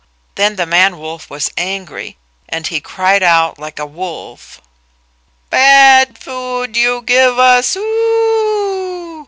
Then the man wolf was angry, and he cried out like a wolf, "Bad food you give us o o o!